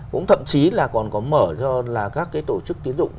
cũng thậm chí là còn có mở cho là các cái tổ chức tiến dụng